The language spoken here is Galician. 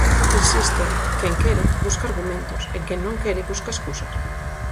Insisto, quen quere, busca argumentos, e quen non quere, busca escusas.